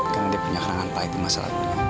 karena dia punya kerangan pahit di masa lalu